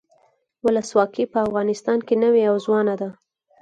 ولسواکي په افغانستان کې نوي او ځوانه ده.